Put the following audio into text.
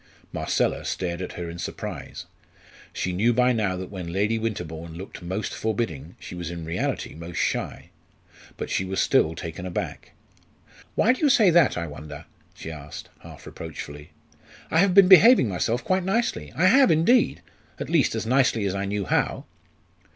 Marcella stared at her in surprise. She knew by now that when Lady Winterbourne looked most forbidding she was in reality most shy. But still she was taken aback. "Why do you say that, I wonder?" she asked, half reproachfully. "I have been behaving myself quite nicely I have indeed; at least, as nicely as I knew how."